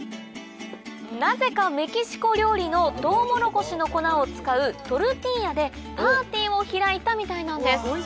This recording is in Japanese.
なぜかメキシコ料理のトウモロコシの粉を使うトルティーヤでパーティーを開いたみたいなんです